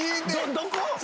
どこ？